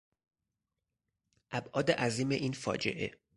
ابعاد عظیم این فاجعه